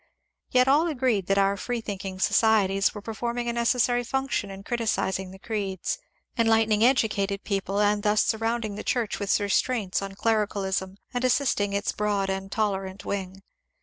Yet all agreed that our f reethinking soci eties were performing a necessary function in criticising the creeds, enlightening educated people, and thus surrounding the Church with restraints on clericalism and assisting its broad and tolerant wing.